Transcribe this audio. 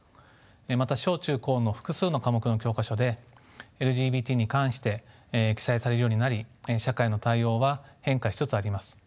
また小中高の複数の科目の教科書でＬＧＢＴに関して記載されるようになり社会の対応は変化しつつあります。